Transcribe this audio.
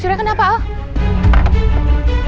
tunggu aneh ya gue